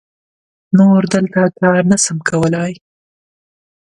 نور دلته کار نه سم کولای.